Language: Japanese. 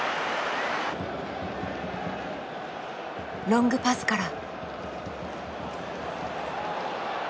ロングパスから。